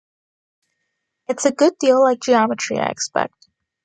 It’s a good deal like geometry, I expect.